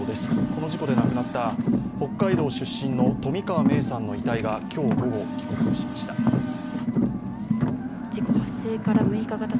この事故で亡くなった北海道出身の冨川芽生さんの遺体が今日午後、帰国しました。